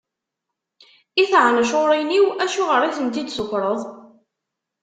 I tɛencuṛin-iw, acuɣer i tent-id-tukwreḍ?